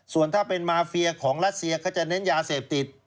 ส่วนถ้าเป็นมาเฟียของรัสเซียเขาจะเน้นยาเสพติด